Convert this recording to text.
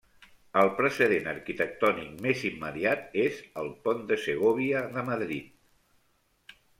El precedent arquitectònic més immediat és el pont de Segòvia de Madrid.